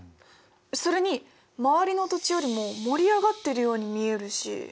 それに周りの土地よりも盛り上がってるように見えるし。